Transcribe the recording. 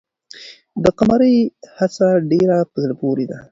د قمرۍ هڅه ډېره په زړه پورې ده.